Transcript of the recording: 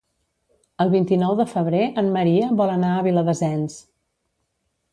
El vint-i-nou de febrer en Maria vol anar a Viladasens.